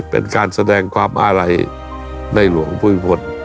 เป็นการแสดงความอารัยในหลวงพุทธ